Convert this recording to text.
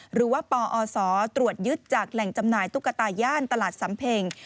หรือว่าปอศตรวจยึดจากแหล่งจำหน่ายตุ๊กตาย่านตลาดสำเพ็ง